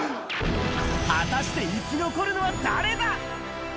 果たして生き残るのは誰だ？